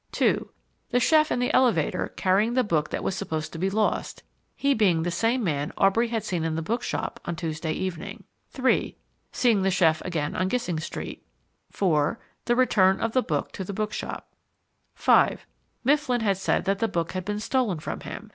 (2) The chef in the elevator carrying the book that was supposed to be lost he being the same man Aubrey had seen in the bookshop on Tuesday evening. (3) Seeing the chef again on Gissing Street. (4) The return of the book to the bookshop. (5) Mifflin had said that the book had been stolen from him.